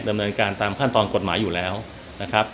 ดำเนินการตามขั้นตอนกฎหมายอยู่แล้วนะครับ